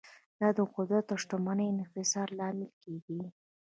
دا د قدرت او شتمنۍ د انحصار لامل کیږي.